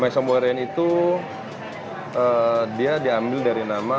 maesong boereen itu dia diambil dari nama